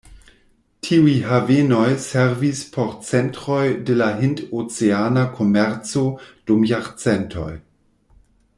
Tiuj havenoj servis por centroj de la hind-oceana komerco dum jarcentoj.